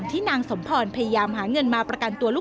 ทำไมเราต้องเป็นแบบเสียเงินอะไรขนาดนี้เวรกรรมอะไรนักหนา